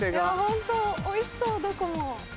ホントおいしそうどこも。